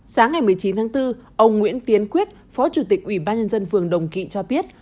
sáng ngày một mươi chín tháng bốn ông nguyễn tiến quyết phó chủ tịch ủy ban nhân dân phường đồng kỵ cho biết